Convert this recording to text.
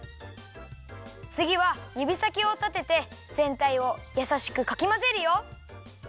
つぎはゆびさきをたててぜんたいをやさしくかきまぜるよ。